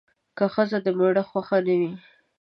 که ښځه د میړه خوښه نه وي